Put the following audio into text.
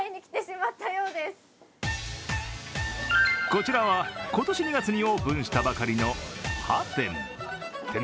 こちらは今年２月にオープンしたばかりの破店。